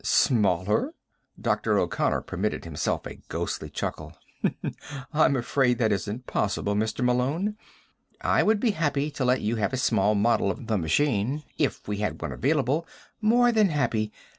"Smaller?" Dr. O'Connor permitted himself a ghostly chuckle. "I'm afraid that isn't possible, Mr. Malone. I would be happy to let you have a small model of the machine if we had one available more than happy.